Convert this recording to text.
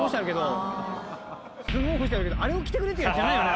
すごい干してあるけどあれを着てくれっていうやつじゃないよね？